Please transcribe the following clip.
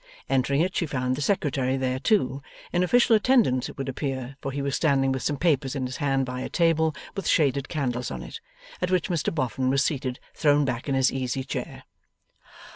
Entering it, she found the Secretary there too; in official attendance it would appear, for he was standing with some papers in his hand by a table with shaded candles on it, at which Mr Boffin was seated thrown back in his easy chair.